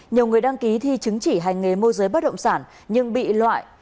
nhiều người đăng ký thi chứng chỉ hành nghề môi giới bất động sản nhưng bị loại